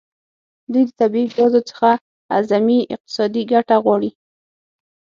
دوی د طبیعي ګازو څخه اعظمي اقتصادي ګټه غواړي